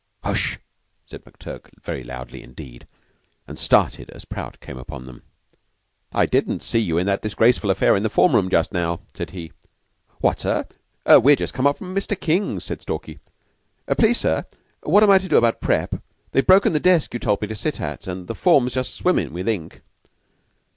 "Hush!" said McTurk very loudly indeed, and started as Prout came upon them. "I didn't see you in that disgraceful affair in the form room just now," said he. "What, sir? We're just come up from Mr. King's," said Stalky. "Please, sir, what am I to do about prep.? They've broken the desk you told me to sit at, and the form's just swimming with ink."